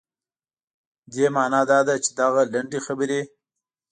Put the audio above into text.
دې معنا دا ده چې دغه لنډې خبرې.